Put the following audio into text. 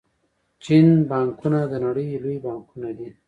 د چین بانکونه د نړۍ لوی بانکونه دي.